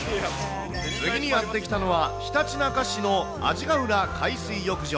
次にやって来たのはひたちなか市の阿字ヶ浦海水浴場。